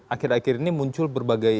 akhir akhir ini muncul berbagai